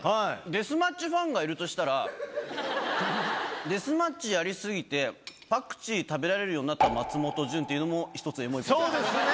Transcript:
デスマッチファンがいるとしたら、デスマッチやり過ぎて、パクチー食べられるようになった松本潤っていうのも一つエモいでそうですね。